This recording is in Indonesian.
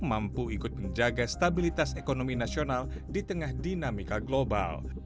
mampu ikut menjaga stabilitas ekonomi nasional di tengah dinamika global